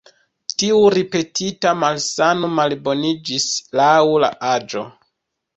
Tiu ripetita malsano malboniĝis laŭ la aĝo.